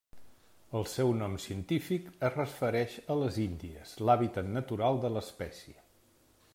El seu nom científic es refereix a les Índies, l'hàbitat natural de l'espècie.